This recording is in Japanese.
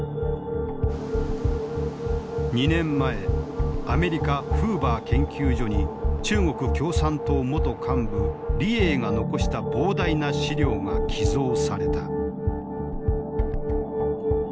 ２年前アメリカ・フーバー研究所に中国共産党元幹部李鋭が残した膨大な資料が寄贈された。